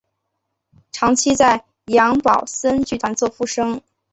长期在杨宝森剧团做副生。